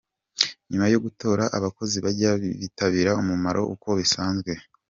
Nyuma yo gutora abakozi bazajya bitabira umurimo uko bisanzwe.